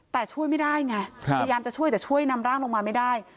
แต่ช่วยไม่ได้ไงพยายามจะช่วยแต่ช่วยนำร่างลงมาไม่ได้